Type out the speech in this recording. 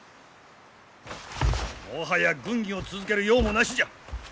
もはや軍議を続ける要もなしじゃ。